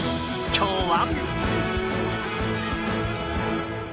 今日は。